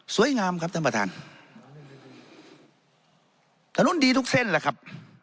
งามครับท่านประธานถนนดีทุกเส้นแหละครับ